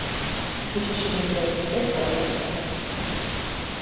ქუჩაში მოძრაობის წესს ყველა იცავს.